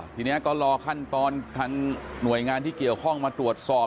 ทีนี้ก็รอขั้นตอนทางหน่วยงานที่เกี่ยวข้องมาตรวจสอบ